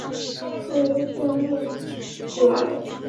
死于前列腺癌。